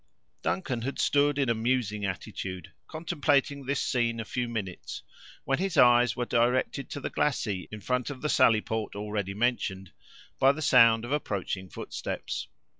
Duncan had stood in a musing attitude, contemplating this scene a few minutes, when his eyes were directed to the glacis in front of the sally port already mentioned, by the sounds of approaching footsteps.